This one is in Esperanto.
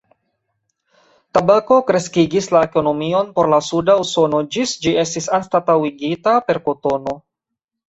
Tabako kreskigis la ekonomion por la suda Usono ĝis ĝi estis anstataŭigita per kotono.